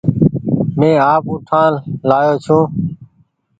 مينٚ آپ اُٺآن لآيو ڇوٚنٚ